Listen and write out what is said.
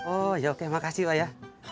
oh ya oke makasih pak ya